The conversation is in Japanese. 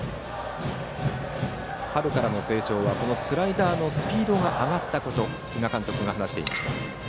春からの成長はスライダーのスピードが上がったことだと比嘉監督が話していました。